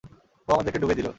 ও আমাদেরকে ডুবিয়ে দিলো।